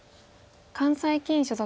関西棋院所属。